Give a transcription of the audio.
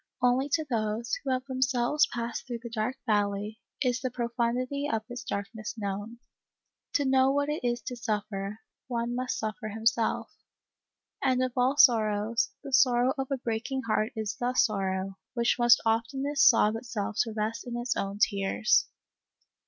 Only to those, who have themselves passed through the dark valley, is the profundity of its darkness known. To know what it is to suffer, one must suffer himself ; and of all sorrows, the sorrow of a break ing heart is the sorrow, which must oftenest sob itself to rest in its own tears.